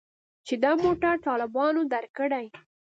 چې دا موټر طالبانو درکړى.